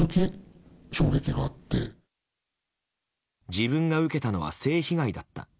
自分が受けたのは性被害だった。